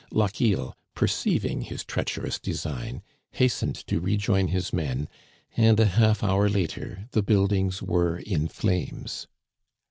Lochiel, perceiving his treacherous design, hastened to rejoin his men, and a half hour later the buildings were in flames.